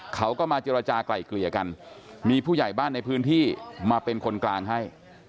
เขาก็มาเจรจากลายเกลี่ยกันมีผู้ใหญ่บ้านในพื้นที่มาเป็นคนกลางให้